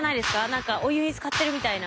何かお湯につかってるみたいな。